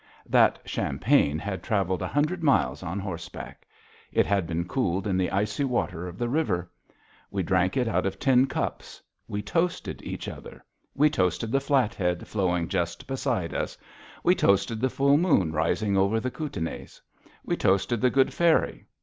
That champagne had traveled a hundred miles on horseback. It had been cooled in the icy water of the river. We drank it out of tin cups. We toasted each other. We toasted the Flathead flowing just beside us. We toasted the full moon rising over the Kootenais. We toasted the good fairy.